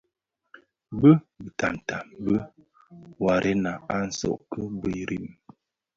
Bi bitamtam dhi waarèna a tsog ki birim.